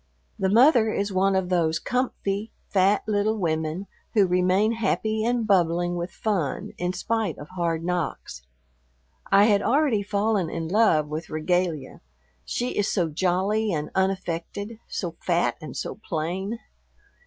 The mother is one of those "comfy," fat little women who remain happy and bubbling with fun in spite of hard knocks. I had already fallen in love with Regalia, she is so jolly and unaffected, so fat and so plain.